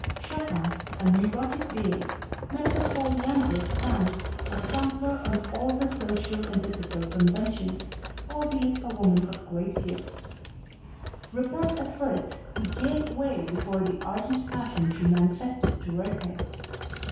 Chopin, a neurotic being, met the polyandrous Sand, a trampler on all the social and ethical conventions, albeit a woman of great gifts; repelled at first he gave way before the ardent passion she manifested toward him.